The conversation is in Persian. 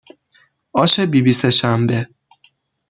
آش بیبی سهشنبه